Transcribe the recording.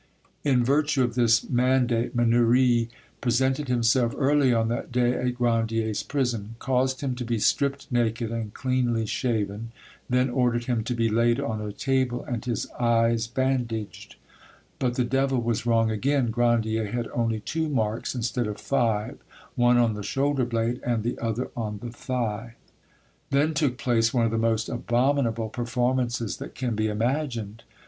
In virtue of this mandate Mannouri presented himself early on that day at Grandier's prison, caused him to be stripped naked and cleanly shaven, then ordered him to be laid on a table and his eyes bandaged. But the devil was wrong again: Grandier had only two marks, instead of five—one on the shoulder blade, and the other on the thigh. Then took place one of the most abominable performances that can be imagined.